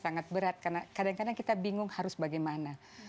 sangat berat karena kadang kadang kita bingung harus bagaimana